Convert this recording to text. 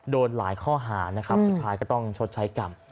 โดนหลายข้อหานะครับสุดท้ายก็ต้องชดใช้กรรม